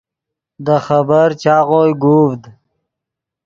دے خبر چاغوئے گوڤد